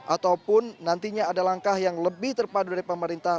ataupun nantinya ada langkah yang lebih terpadu dari pemerintah